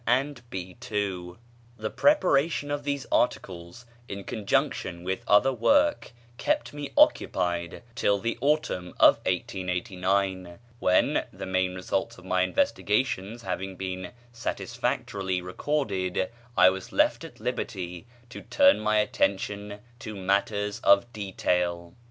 and "B. ii." The preparation of these articles, in conjunction with other work, kept me occupied till the autumn of 1889, when, the main results of my investigations having been satisfactorily recorded, I was left at liberty to turn my attention to matters of detail.